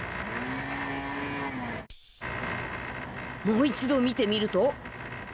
［もう一度見てみると］